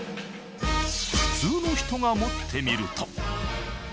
普通の人が持ってみると。